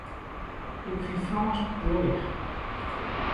Ik fyn Frânsk dreech.